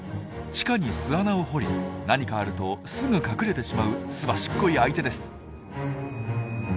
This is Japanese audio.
地下に巣穴を掘り何かあるとすぐ隠れてしまうすばしっこい相手です。